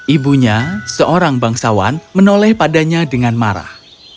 ibunya seorang bangsawan menoleh padanya dengan marah